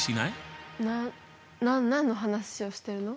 な何の話をしてるの？